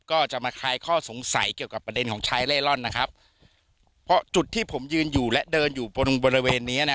ก็จะมาคลายข้อสงสัยเกี่ยวกับประเด็นของชายเล่ร่อนนะครับเพราะจุดที่ผมยืนอยู่และเดินอยู่บนบริเวณเนี้ยนะ